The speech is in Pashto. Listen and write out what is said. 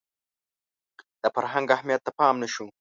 د فرهنګ اهمیت ته پام نه شو